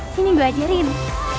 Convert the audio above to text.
kau ga ngedaer secara